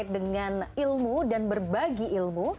dengan ilmu dan berbagi ilmu